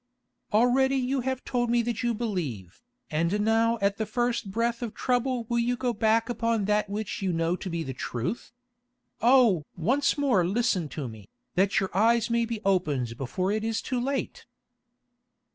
Already you have told me that you believe, and now at the first breath of trouble will you go back upon that which you know to be the Truth? Oh! once more listen to me, that your eyes may be opened before it is too late."